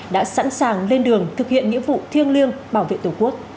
đã sẵn sàng lên đường thực hiện nghĩa vụ thiêng liêng bảo vệ tổ quốc